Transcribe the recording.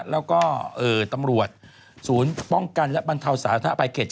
แล้วก็ตำรวจศูนย์ป้องกันและบรรเทาสาธารณภัยเขต๗